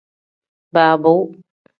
Baabaawu.